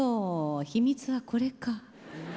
秘密はこれか。